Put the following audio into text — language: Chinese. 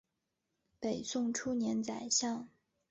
北宋初年宰相。